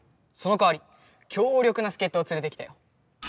そのかわり強力なすけっとをつれてきたよ。